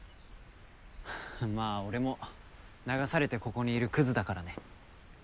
はぁまあ俺も流されてここにいるクズだからね。